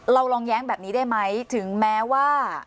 ลองแย้งแบบนี้ได้ไหมถึงแม้ว่า